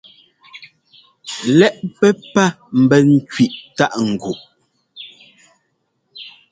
Lɛ́ꞌ pɛ́pá ḿbɛn kẅiꞌ táꞌ ŋguꞌ.